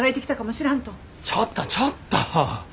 ちょっとちょっと。